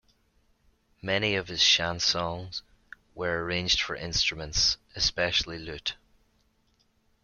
Many of his "chansons" were arranged for instruments, especially lute.